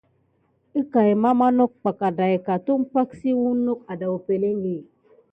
Əkay mama nok bak adaika tumpay ke naku nipenle na umpay ba.